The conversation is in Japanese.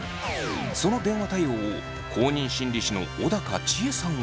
その電話対応を公認心理師の小高千枝さんは。